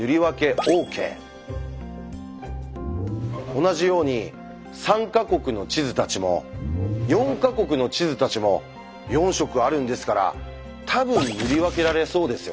同じように３か国の地図たちも４か国の地図たちも４色あるんですから多分塗り分けられそうですよね。